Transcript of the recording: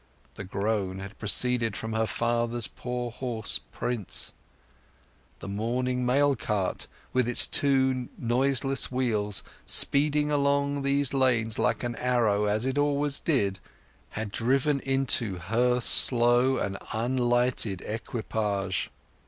The groan had proceeded from her father's poor horse Prince. The morning mail cart, with its two noiseless wheels, speeding along these lanes like an arrow, as it always did, had driven into her slow and unlighted equipage.